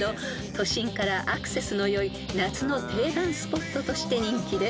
都心からアクセスの良い夏の定番スポットとして人気です］